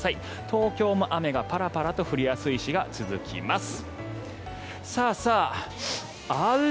東京も雨がパラパラと降りやすい日が続きます。